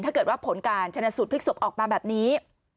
ถ้าเกิดว่าผลการชนะสูตรพลิกศพออกมาแบบนี้